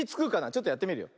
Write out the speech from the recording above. ちょっとやってみるよ。